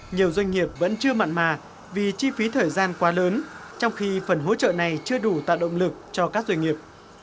nhiều doanh nghiệp vẫn chưa mặn mà vì chi phí thời gian quá lớn trong khi phần hỗ trợ này chưa đủ tạo động lực cho các doanh nghiệp